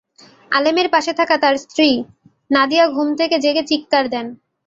আলমের পাশে থাকা তাঁর স্ত্রী নাদিয়া ঘুম থেকে জেগে চিৎকার দেন।